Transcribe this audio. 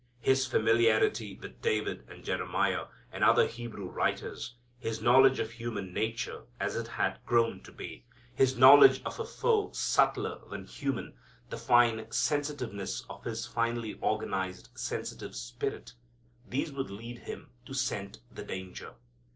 His familiarity with David and Jeremiah and other Hebrew writers, His knowledge of human nature as it had grown to be, His knowledge of a foe subtler than human, the fine sensitiveness of His finely organized sensitive spirit these would lead Him to scent the danger.